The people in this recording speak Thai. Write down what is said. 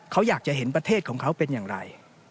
เขาอยากจะเห็นประเทศของเขาเป็นอย่างไร